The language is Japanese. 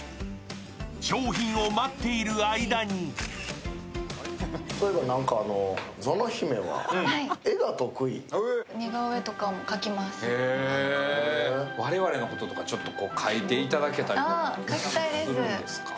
商品を待っている間に我々のこととか描いていただけたりするんですか。